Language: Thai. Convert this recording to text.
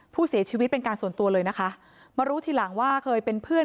ผู้เสียชีวิตเป็นการส่วนตัวเลยนะคะมารู้ทีหลังว่าเคยเป็นเพื่อน